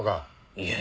いえ。